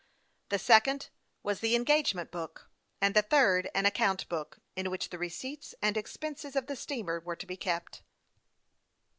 The second was the engagement book, and the third an account book, in which the receipts and expenses of the steamer were to be kept.